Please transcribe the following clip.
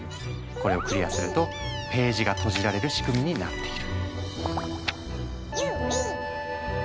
これをクリアするとページがとじられる仕組みになっている。